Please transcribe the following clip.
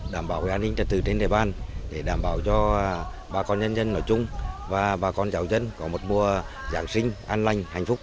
để đảm bảo cho bà con nhân dân nói chung và bà con giáo dân có một mùa giáng sinh an lành hạnh phúc